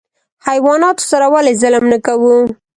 حیواناتو سره ولې ظلم نه کوو؟